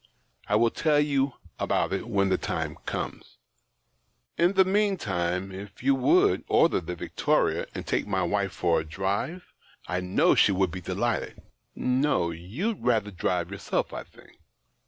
I will tell you about it when the time comes. In the meantime, if you would order the victoria and take my wife for a drive, I know she would be delighted. No ; you'd rather drive yourself, I think.